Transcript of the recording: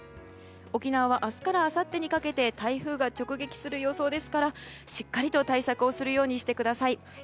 沖縄は明日からあさってにかけて台風が直撃する予報ですからしっかりと対策をするようにしてください。